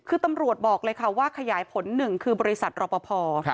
คือตำรวจบอกเลยว่าขยายผล๑คือบริษัทรอปภ